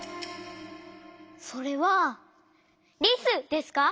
それはリスですか？